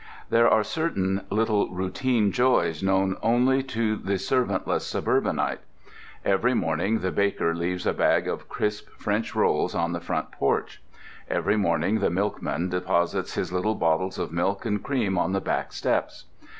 There are certain little routine joys known only to the servantless suburbanite. Every morning the baker leaves a bag of crisp French rolls on the front porch. Every morning the milkman deposits his little bottles of milk and cream on the back steps.